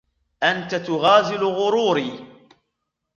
أنت تغازل غروري.